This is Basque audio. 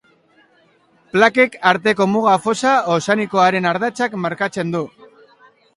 Plaken arteko muga fosa ozeanikoaren ardatzak markatzen du.